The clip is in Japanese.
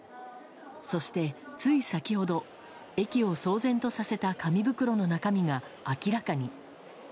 そして、つい先ほど駅を騒然とさせた紙袋の中身が明らかに。